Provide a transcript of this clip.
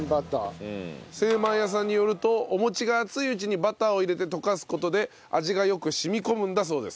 精まい家さんによるとお餅が熱いうちにバターを入れて溶かす事で味がよく染み込むんだそうです。